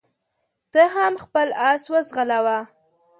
ته هم خپل اس وځغلوه.